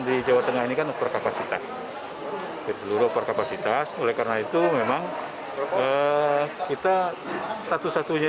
di jawa tengah ini kan perkapasitas seluruh perkapasitas oleh karena itu memang kita satu satunya